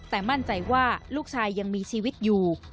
แต่มั่นใจว่าลูกชายยังมีชีวิตอยู่